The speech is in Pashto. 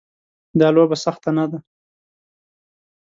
دا لوبه سخته نه ده.